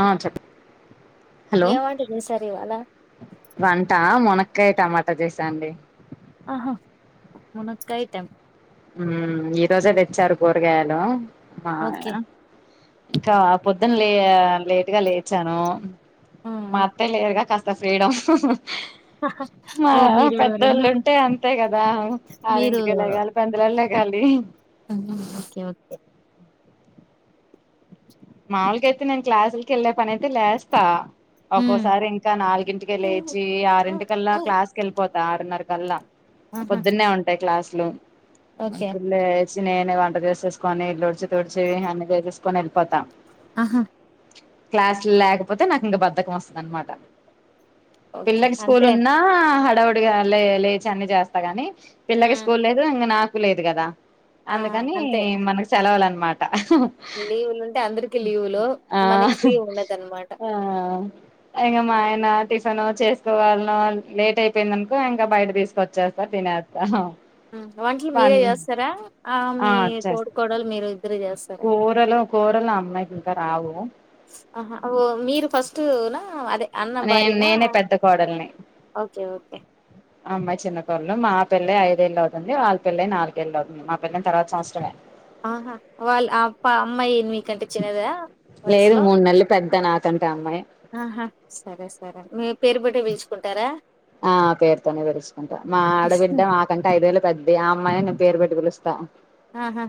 ఆ చెప్ప హలో ఏం వంట చేశారు ఇవాళ వంటా మన కె టమాటా చేసాండి ఆహ మునకాయ టమా ఉ ఈ రోజే తెచ్చారు కూరగాయలు ఆ ఓకే ఇంకా పొద్దున్న లే లేటుగా లేచాను మా అత్తయ లేరుగా కాస్త ఫ్రీడమ్ మా ఓ మీరు రెండు పెద్దోళ్ళుంటే అంతే కదా మీరు ఆరింటికె లెగాలి పెందలాడి లెగాలి ఓకే ఓకే మాములుగైతె నేన్ క్లాస్ ల కెళ్లే పని ఐతే లేస్తా ఉమ్ ఒక్కోసారి ఇంకా నాలుగింటికె లేచి ఆరింటికల్లా క్లాస్కి వెళ్ళిపోతా ఆరున్నర గల్ల ఆహా పొద్దున్నే ఉంటాయి క్లాస్ లో ఓకే పుల్ చిన్ అ వంట చేసేసుకొని ఇల్లుడిచి తుచి అన్నీ చేసేసుకని వెళ్ళిపోతాం ఆహా క్లాసులు లేకపోతే నాకు ఇంక బద్ధకం వస్తుంది అనమాట ఓకే పిల్లకి స్కూల్ అంతే ఉన్నా హడావుడిగా లే లేచి అన్నీ చేస్తా గాని పిల్లకి ఉమ్. స్కూల్ లేదు ఇంకా నాకు లేదు కదా ఆ అందుకని అంతే మనకు సెలవులు అన్నమాట హహ్హ్ లీవులు ఉంటే అందరికి లీవులు ఆ మనకి ఫ్రీ ఉండదనమాట ఆ ఇంగ మాయనా టిఫను చేసుకోవాలను లేట్ అయిపోయిందనుకో ఇంకా బయట తీసుక వచ్చేస్తా తినేస్తా వంట్ల్ మీరే పన్ చేస్తారా ఆ మీ తోడుకోడలు మీరు ఇద్దరు చేస్తారా ఇంకరావు ఆహా ఓ మీరు ఫస్ట్ నా అదే అన్న నేను భార్యానా నేనే పెద్ద కోడల్ని ఓకే ఓకే ఆ అమ్మాయి చిన్నకోడలు మా పిల్లై ఐదేళ్ళు అవుతుంది వాళ్పెళ్లయి నాలుకేళ్ళు అవుంది మా పెళైన తరువాత సంవత్సరంమే ఆహా వాళ్ళు అప్ప అమ్మాయిని కంటె చిన్నదా లేదు వయసులో మూడు నెలలు పెద్ద నాకంటే అమ్మాయి ఆహా సరే సరే మీ పేరు పెట్టే పిల్చుకుంటారా ఆ పేరుతోనే పెరుచుకుంటము మా ఆడబిడ్డ హ్మ్. మాకంటే ఐదేళ్లు పెద్దది అమ్మాయినే నేనుపేరు పెట్టి పిలుస్తా ఆహా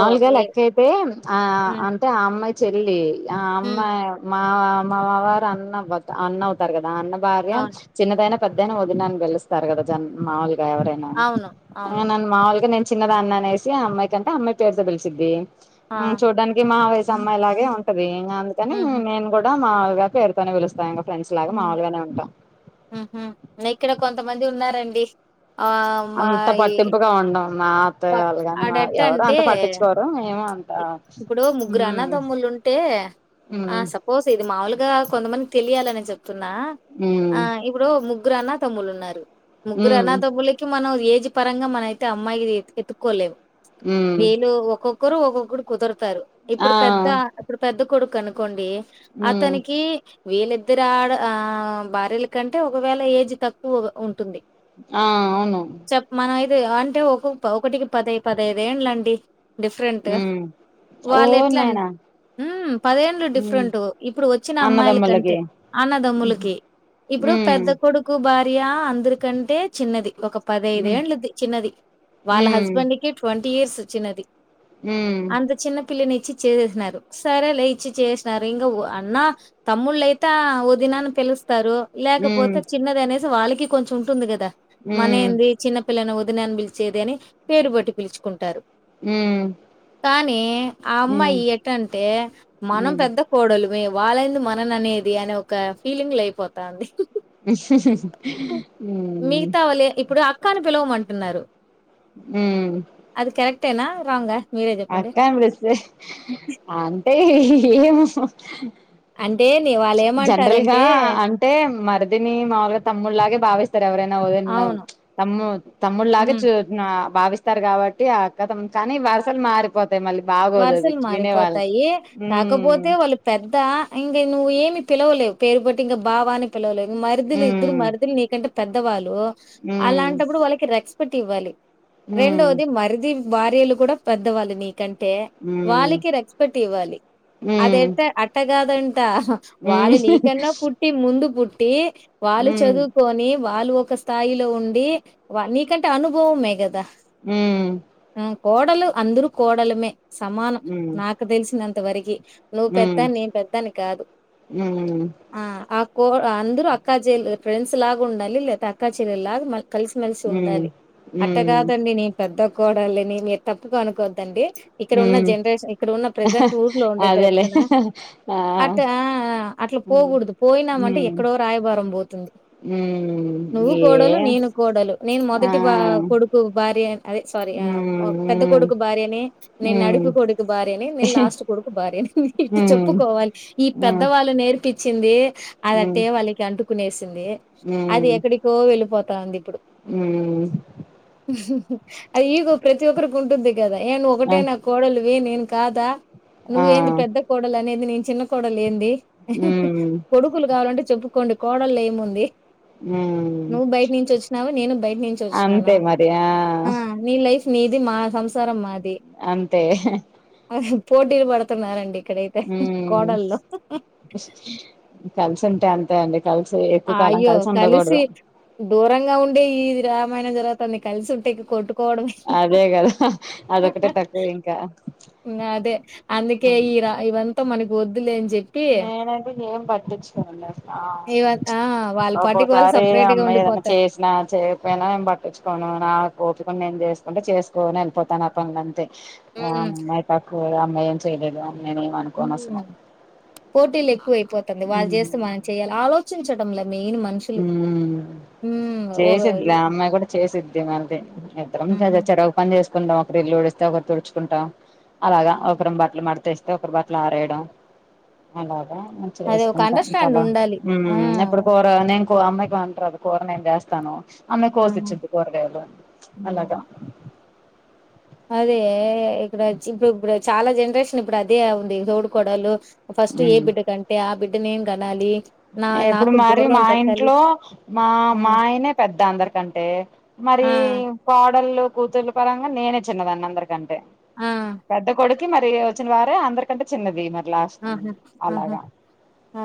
ఓ మీ లెక్క అయితే ఆ హ్మ్ అంటే ఆ అమ్మాయి చెల్లి ఆ హ్మ్ అమ్మాయి మ అమ్ మావారు అన్న అన్నవుతారు కదా అన్న భార్య అవును చిన్నదైనా పెద్దయినా వదినని పిలుస్తారు కదా జన్ మామూలుగా గా ఎవరైనా అవును అవును నన్ను మావూలుగా నే చిన్నదాన్ని అనేసి ఆమ్మాయి కంటే అమ్మాయి పేరుతో పిలిసిద్ది ఆ హ్మ్ చూడ్డానికి మా వయ అమ్మాయిలాగే ఉంటది అందుకని ఉహు నేను గూడా మామూలుగా పేరుతోనే పిలుస్తాం ఇంగా ప్రెండ్స్ లాగ మామూలుగానే ఉం హ్మ్ హు నైక్కుడొక కొంతమంది ఉన్నారండి అంత పట్టింపుగా ఉండం మా అత్తయ్య వాళ్ళు గాని అడ ఎట్ట ఎవరు అంటే అంత పట్టించుకోరు మేము అంత ఇప్పుడు ముగ్గురు ఉమ్ అన్నదమ్ములు ఉంటే ఆ ఉమ్ సపోజ్ ఇది మాముూలుగా కొంతమందికి తెలియాలని త్తున్నా ఉమ్ ఆ ఇప్పుడు ముగ్గు గురు అన్న తమ్ములు ఉన్నారు ముగ్గురు ఉమ్ అనాథబులకి మనం ఏజ్ పరంగా మనైతే అమ్మాయి ద ఎత్తుకోలేవ్ ఉమ్ వీళ్ళు ఒక్కో కోరు ఒకడు కుదరు తారు ఆ ఇప్పుడు పెద్ద ఇప్పుడు పెద్ద కొడుకు అనుకోండి ఉమ్ అతనికి వీళ్ళిద్దరు ఆడ ఆ భార్యల కంటే ఒకవేళ ఏజ్ తక్కువ ఉంటుంది ఆ అవును చెప్ మనమైతే అంటే ఒకొ ప ఒకటికి పదై పదైదేండ్లండి ఉమ్ ఓ వాళ్ళు ఎట్ల నాయనా హ్మ్ పదేండ్లు ఉమ్ డిఫరెంట్ ఇప్పుడు వచ్చిన అమ్మాయిల అన్నదమ్ములకి కంటే ఉమ్ అన్నదమ్ములకి ఇప్పుడు ఉమ్ పెద్ద కొడుకు భా రియా అందరికంటే చిన్నది ఒక ఉమ్ పదైదేండ్లు చిన్నది వాళ్ళ ఉమ్ హస్బెండ్ కి ట్వ ట్వంటీ ఇయర్స్ చిన్నది. అంత చిన్న పిల్లిని ఇచ్చిచేసేసినారు సరేలే ఇచ్చి చేసినారు ఇంగా అన్న తమ్ముళ్ళయితే వదిన అని పిలు స్తారు ఉమ్ ఉమ్ లేకపోతే చిన్నది అనేసి వాళ్ళ కి కొంచెం ఉంటుంది కదా మన ఉమ్ ఏంది చిన్నపిల్లని వ నేన్ పిల్ చేదని పేరుబేట్టి పిలుచుకుంటారు మ్మ్ కానీ అమ్మా ఎటంటే మనం ఉమ్ పెద్ద కోడలు వే వాళ్ళందు మనననేది అనే ఒక ఫీలింగ్ లో అయిపోతాంది మ్మ్ కాని పిలవమంటున్నారు మ్మ్ రెక్ట్నా రాంగ్ ఆ అక్క అని పిలిస్తే అంతే ఏమో అం జనరల్ గా అంటే మరిదిని మాములుగా తమ్ముళ్లాగే భావిస్తారు ఎవరైనా అవును. [unintelligible] తమ్ముల్ తమ్ముళ్లాగ హ్మ్. చూడ్ నా భావిస్తారు కాబట్టి ఆ అక్కతం కానీ వరుసలు మారిపోతా వరుసలు మారిపోతాయి కాకపోతే ఉమ్ వాళ్ళు పెద్ద ఇంక నువ్వు ఏమి పిలవలేవు. పేరు పెట్టి ఇంకా బావా అని పిలవలేవు. మరిదిలిద్దరు ఉమ్ మరిదులు నీ కంటే పెద్దవాళు ఉమ్ అలాంటప్పుడు వాళ్ళకి రెక్స్ప్ ట్ ఇవ్వాలి. ఉమ్ రెండోది మరిది భార్యలు కూడా పెద్దవాళ్ళు నీకంట్ అంటే వాళ్ళకి రెస్పెక్ట్ ఇవ్వాలి. ఉమ్ అదయితే అట్టగాదన్ వాళ్ళు నీకన్నా పుట్టి ముందు పు టె వాళ్ళు ఉమ్ చదువుకొని వాళ్ళు ఒక స్థాయిలో ఉండి. వ నీకంటే అనుభవమే కదా. మ్మ్ కోడలు అందరు కోడలమే సమానం‌. ఉమ్ నాకు తెలిసినంత ఎవరకి నువ్వు ఉమ్ పెద్ద ఉమ్ నే పెద్ద అని కాదు. ఆ కో అంద్రూ అక్కా చెల్లె, ఫ్రెండ్స్ లాగా ఉండాల లేతే అక్కాచెల్లెలాగ మల్ కలిసిమెలిసి ఉమ్ ఉండాలి ఉమ్ ఉమ్ అట్టకాదండి నే పెద్ద కోడలని మీరు తప్పు అనుకోవద్దండి ఇప్పుడు ఉన్న ఉమ్ జనరేషన్ ఇప్పుడు ఉన్న ప్రజెంట్ ఊర్లో ఉండేది అదేలే చెప్తున్నా. ఆ అట్ హ అట్లా పోకూడదు. ఇక్కడ ఉన్న జెనరేట్ ప్రతి ఊరిలో పోకూడదు పోయినామంటే ఉమ్ ఎక్కడో రాయబారం పోతుంది. ఉమ్ నువ్వు కోడలు ఏం నేను కోడలు నేను ఆ మొదటి బా కొడుకు భార్య- అదే సారీ ఆ ఉమ్ పెద్ద ఉమ్ కొడుకు భార్యనే నేను ఉమ్ నడిపి కొడుకు భార్యని నేను లాస్ట్ కొడుకు భార్యని ఇటు ఉమ్ చెప్పుకోవాలి ఈ పెద్దవాళ్ళు నెర్ ఇచ్చింది అదట్టే ఉమ్ వాళ్ళకి అంటుకునేసింది అది ఎక్కడికో వెళ్ళిపోత టాంది ఊ ఆ ఇగో ప్రతి ఒక్కరికి ఉంటుంది కదా ఏను అంటే నా ఆ కోడలు ఏ నేను కాదా ఆ నువ్వేంది పెద్ద కోడలు అనేది నేను కోడలేంది హి హి ఉమ్ కొడుకులు కావాలంటే చెప్పు కొన్ని కోడలు ఏముంది హ్మ్ నువ్వు బయట నుంచి వచ్చినావు నేను బయట నుంచి అంతే మరి ఆ మీది మా సంసారం మాది అంతే అహ్హ్ పోటీలు బడుతున్నారండి హ్మ్ కల్సుంటే అం తే అండి కలిసి ఎక్కువ కాలం అయ్యో కలిసి ఉండకూడదు దూరంగా ఉండే ఈ రామాయణం జరుగతంది అన్ని కల్సి ఉంటే ఇగ కొట్టు అదే కదా అదొక్కటే తక్కువ ఇంకా ఇంగ అదే అందుకే ఉమ్ ఈ రా ఇవంత మనకి వద్దులేన్ ఇవ ఆ! వాళ్ళ పాటికి వాళ్ళు ఒక్కోసారి సెపరేట్‌గా అమ్మాయ్ ఏదైనా ఉండిపోతారు. చేసినా చేయకపోయినా ఏం పట్టించుకోను నాకు, టిఫెన్ నేను చేసుకుంటే చేసుకోని వెళ్ళిపోతాను ఆ పనులంతే హ్మ్. ఆమ్మాయ్ కాకు ఓరో అమ్మయేం చేయలేదా నేనేం అనుకోను అసలు పోటీలు ఎక్కువై పోతుంది వాళ్ళు జేస్తే మనం చేయాలి చించడం లేదు ఉమ్ ఒక చేసద్లే అమ్మాయి కూడా చేసిద్ మీ మరిదే ఇద్దరం కదా హుహు. చెరువు పని చేస్ కుం ఒకరు ఇల్లు ఊడిస్తే, ఒకరు తుడుచుకుంటాం అలాగా ఒకరి బట్టలు మడత వస్తే, ఒకరు బట్టలు ఆరేయడం అలా మంచిగా అదే ఒక వేసుకుంటాం అండర్‌స్టాండ్ కదా ఉండాలి. ఆ! ఎప్పుడు నేను కో అమ్మాయికి వంటరాదు. కూర నేను చేస్తాను. ఆమె ఆ! కోసిచ్చింది కూరగాయలు హ్మ్. అలాగా అదే ఇక్కడ ఇప్పుడు ఇప్పు చాలా జరు ప్రశ్న ఇప్పుడు అదే ఉంది. తోడికోడాళ్ళు ఫస్ట్ ఏ మ్మ్ బిడ్ కంటే ఆ బిడ్ నేన్ కనాలి. నా ఇప్పుడు నాకు మరి గౌరవం మా దక్కాలి. ఇంట్లో ఆ! మా ఆయనే పెద్ద. అందరికంటే మరి ఆ! కోడళ్లు, కూతుర్లు పరంగా నేనే చిన్నదాన్ని అందరీ కంటే ఆ! పెద్ద కొడుకు మరి వచ్చిన వారే అందరికంటే చిన్నది. మరి లాస్ట్ ఆహా ఆహా అలాగా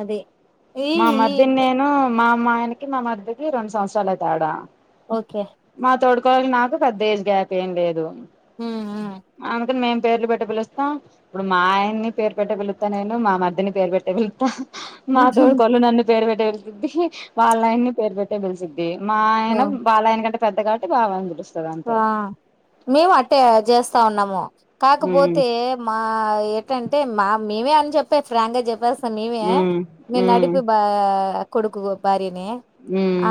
అదే ఈ మా ఈ మరిధి నేను మా మా అయానకి మా మరిది కి రెండు సంవత్సరాలు లే తేడా ఓకే కోవేల నాకు పెద్ద ఏజ్ గ్యాప్ ఏం లేదు. హ్మ్. హ్మ్. అందు మేమ్ పేర్లు పెట్ట పిలుస్తాం. ఇప్పుడు మా ఆయన్ని పేరు పెట్ట పిలుస్తా నేను మా మరిదిని పేరు పెట్టే పిలుస్తా మా ఆ తొడికోడలు నన్ను పేరు పెట్టెలిసిద్ది వాళ్ళయన్ని పేరు పెట్టే పెలిసింది. మా ఆయనా వాలయనా కంటే పెద్దగాబట్టి బావ పిలుస్తుంది. ఆ మేము అట్టే జేస్ స్త ఉన్నాము. ఉమ్ కాకపోతే మా ఏంటంటే మా మేమే అని చెప్పేసి రాంగ్ చెప్పేస్ మీమే ఉమ్ మీ ఉమ్ నడిపి బా కొడుకు భార్య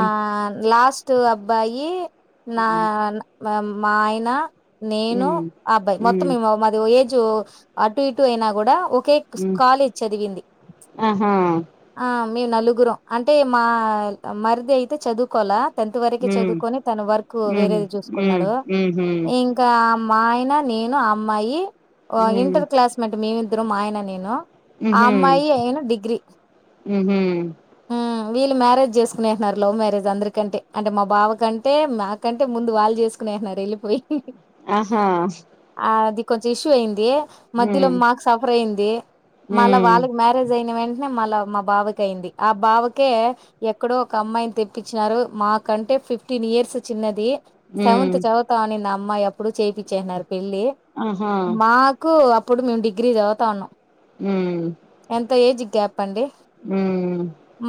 ఆ లాస్ట్ అబ్బాయి నా మా ఆయనా నేను ఉమ్ ఆ అబ్బాయి మొత్తం ఉమ్ మేము మాది ఏజ్ అటు ఇటు అయినా కూడా ఒకే ఉమ్ కాలేజ్ చదివింది ఆహా ఆ మేము నలుగురం అంటే మా మరిది అయితే చదువుకోలా టెన్త్ వరకే ఉమ్ చదువుకొని తన వర్క్ ఉమ్ వేరేది చూస్త ఉమ్ కున్నడు ఉహూ ఇంకా మాఆయన నేను అమ్మాయి ఆ ఉమ్ ఇంటర్ క్లాస్ మెంట్ మేము ఇద్ ఇద్దరం మా ఆయన నేను ఆ ఉహూ అమ్మాయి ఇయన డిగ్రీ ఉహూ ఉమ్ వీళ్ళు మ్యారేజ్ చేసుకునేన్నారు లవ్ మ్యారేజ్ అందరికంటే అంటే మా బావ కంటే మాకంటే ముందు వాళ్ళు చేస్ తీసుకున్నాన్నరేళ్ళి పోయి ఆహ్ కొంచెం ఇష్యూ అయింది మధ్యలో మాకు సఫర్ అయిం ఏ మళ్ళా ఉమ్ వాళ్ళకి మ్యారేజ్ అయిన వెం ట్నే మళ్ళ మా బావకయింది ఆ బావకే ఎక్కడో ఒక అమ్మాయిని తెప్పిచినారు మాకంటే ఫిఫ్టీన్ ఇయర్స్ చిన్నది ఉమ్ సెవెంత్ చదువుతా అనింద ఆ అమ్మాయి అప్పుడు చేపిచ్చేస్నారు పెళ్ళి ఆహా మాకు అప్ ఇప్పుడు మేము డిగ్రీ చదువుతా ఉన్నాం ఉమ్ ప్పండి మ్మ్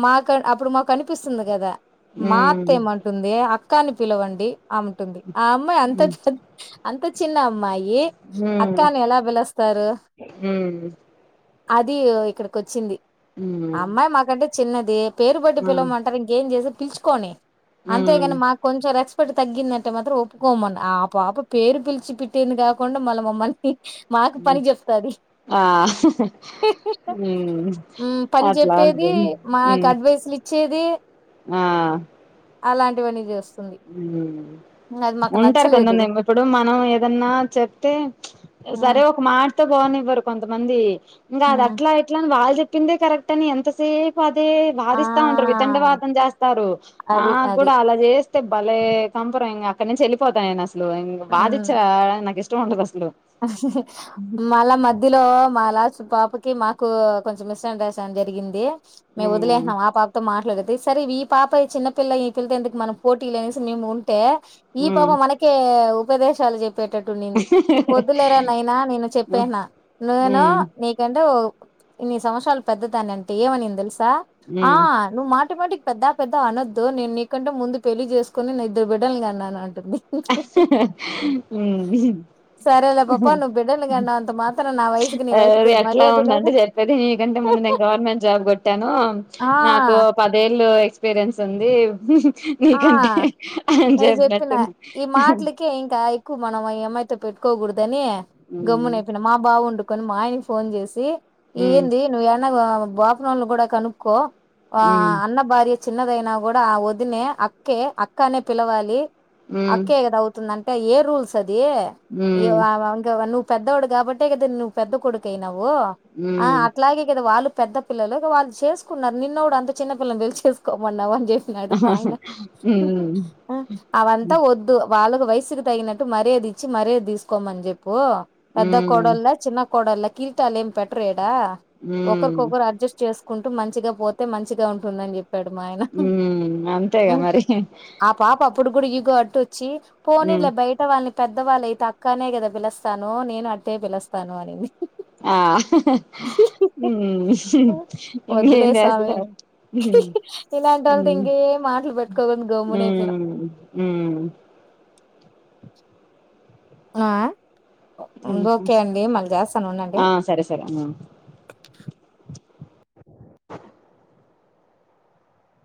మా కాన్ అప్పుడు మాకు అనిపిస్తుంది కదా మా అత్త మ్మ్ ఏమంటుంది అక్ కాని పిలవండి అముంటుంది ఆ అమ్మాయి అంత మ్మ్ అంత చిన్న అమ్మాయి ఏ అక్కా అని ఎలా పిలుస్తారు మ్మ్ అది ఇక్కడకి వచ్చింది అమ్మాయి మాకంటే చిన్నది పేరు పెట్టి మ్మ్ పిలమంటారు ఇంకేం చేసెది పిలుచుకొని మ్మ్ అంతేగాని మాకు కొంచెం రెస్ తగ్గిందంటే మాత్రం ఒప్పుకోమని ఆ పాప పేరు పిలిచి పెట్టింది కాకుండా మళ్ళ మమ్మల్ని మాకు పని చెబుతాది ఆ అట్లాంటిది ఆ హ్మ్. ఉ పని అట్లా చెప్పేది ఉంటుంది. మాకు హ్మ్. అడ్వైసులు ఇచ్చేది అలాంటివన్నీ చేస్తాద్ ఉమ్ ఉంటారు నచ్చలేదు. కొంతమంది ఇప్పుడు మనం ఏదన్నా చెప్తే సరే హ్మ్ ఒక మాట పోనివ్వరు కొంతమంది ఇంకా అది హ్మ్ అట్లా ఇట్లా అ వాళ్ళ చెప్పిందే కరెక్ట్ అని ఎంత సేపు అతే ఆ వాదిస్తా ఉంటారు వితండ వాదం చేస్తారు అది నాకు అది కూడా అలా చేస్త బలే పంపర్ ఇంగ అక్కడి నుంచి వెళ్ళిపోతా నేను అస్ లో బాదిచ్చ నాకు ఇష్ట ది అస్ మళ్ల మధ్యలో మా లాస్ట్ పాప ి మాకు కొంచెం మిస్ అండర్స్టాండింగ్ జరిగింది మేము ఉమ్ వదిలేసనమ్ మా పాపతో మాట్లాడ అదే సరే ఈ పాప చిన్న పిల్ల ఈ పిల్ల తో ఎందుకు మనం పోటీలు అనేసి మేము ఉర్ ంటే ఈ ఉమ్ పాప మనకే ఉపదేశాలు చెప్పి పెట్టేట్టుండింది వద్దులేరా నాయిన నేను చెప్పానా నేను ఉమ్ నీకంటే ఏన్ని సంవత్సరాలు పెద్దదాని అంటే ఏమనింది తెలుస్ ఆ నువ్ మాట్ మాటి మాటిక్ పెద్ద పెద్ద అనొద్దు నేను నీకంటే ముందు పెళ్ళి చేసుకుని నే ఇద్దరు బిడ్డలని కన్నాను అం ఉ సరేలే పాప నువ్వు బిడ్డలు కన్నంత మాత్రం నా వయసుకి నీ అది వయసుకి ఎట్లా మర్యాద లేదు ఉందంటే చెప్పేది మీకంటే ముందు నేను గవర్నమెంట్ జాబ్ కొట్టాను ఆ నాకు పదేళ్ళు ఎక్స రియన్స్ ఉంది ఆ నీకంటే అ నేను చెప్పిన చెప్పినట్టు ఈ మాటలకే ఇంకా ఎక్కువ మనం యితే పెట్కోకూడదు ని గమ్మున ఉమ్ అయిపోయిన మా బావుండు కొన్ని మా ఆయాన్నీ ఫోన్ చేసి ఉమ్ ఏంది నువ్వు యానా బపున వాళ్ళ కూడా కనుక్కో ఆ ఉమ్ అన్న భార్య చిన్నదైనా కూడా ఆ వదిన అక్కే అక్కానే పిలవాలి అక్కే గద అవుతుంద ఏ రూల్స్ అ ది ఉమ్ ఉమ్ అ వన్న పెద్దవాడు కాబట్టే కదా నువ్వు పెద్ద కొడుకు అయినావు వ్ ఉమ్ అట్లాగే కదా వాళ్ళు పెద్ద పిల్లలు వాళ్ళు చేసుకున్నారు నిన్న కూడా అంత చిన్ని పిల్ల నీ చేసుకోమన్నాని చేసినాడు మా ఆయన ఉమ్ అవంతా ఒద్దు వాళ్ళకు వయసుకి తగినట్టు మర్యాద ఇచ్చి మర్యాద తీసుకోమని చెప్ ప్పు పెద్ద ఉమ్ కోడల్లా చిన్న కోడల్లా కీల్తాలేం పెట్రే డా ఉమ్ ఒకరికొకరు అడ్జస్ట్ చేస్ కుంటూ మంచిగా పోతే మంచిగా ఉంటుందని చెప్పి ఉ అంత్ తే గ మరి ప్పుడు గుడ ఇగో అడ్డు చ్చి ఉమ్ పోనీలే బయట వాళ్ళని పెద్దవాళ్ళైతే అక్కనే కదా పిలుస్తాను నేను అట్టే పిలుస్తాను అనింది ఆ మ్మ్ వద్దులే ఇంకేం స్వామి చేస్తదా ఇలాంటి వాళ్ళతో మ్మ్ ఇంకేం మాటలు పెట్టుకోకుండా గమ్మున ఉ అయిపోయినాం మ్మ్ ఆ మ్మ్ హు ఓకే అండి మళ్ళీ చేస్తాను ఉండండి ఆ సరే సరే